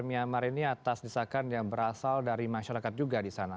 pertanyaan militer myanmar ini atas disakan yang berasal dari masyarakat juga di sana